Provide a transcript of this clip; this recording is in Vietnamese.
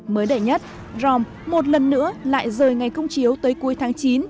mới đây nhất drom một lần nữa lại rời ngay không chiếu tới cuối tháng chín